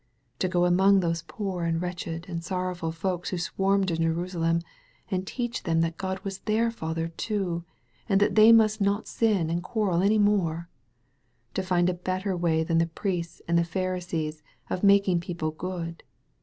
To go among those poor and wretched and sorrowful folks who swarmed in Jerusalem and teach them that God was their Father too, and that th^ must not sin and quarrel any more! To find a better way than the priests' and the Pharisees' of making people good!